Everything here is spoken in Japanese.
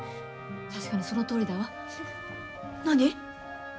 確かに、そのとおりだわ。